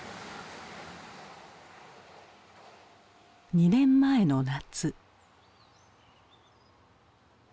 ２年前の夏。